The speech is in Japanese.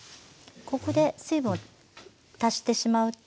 ここで水分を足してしまうと。